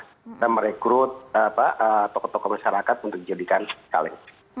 kita merekrut tokoh tokoh masyarakat untuk dijadikan kaleng